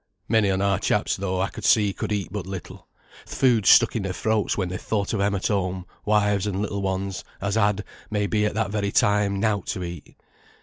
Many on our chaps though, I could see, could eat but little. Th' food stuck in their throats when they thought o' them at home, wives and little ones, as had, may be at that very time, nought to eat.